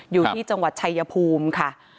อยู่ที่จังหวัดชายภูมิค่ะ